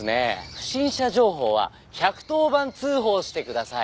不審者情報は１１０番通報してください。